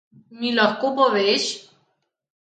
Mi lahko poveš?